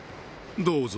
どうぞ。